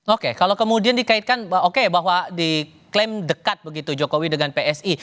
oke kalau kemudian dikaitkan oke bahwa diklaim dekat begitu jokowi dengan psi